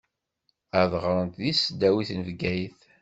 Ad ɣṛent di tesdawit n Bgayet.